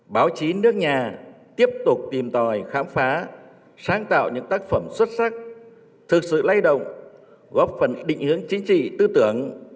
báo chí nước nhà tiếp tục tìm tòi khám phá sáng tạo những tác phẩm xuất sắc thực sự lay động góp phần định hướng chính trị tư tưởng